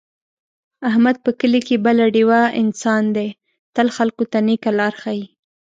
احمد په کلي کې بله ډېوه انسان دی، تل خلکو ته نېکه لاره ښي.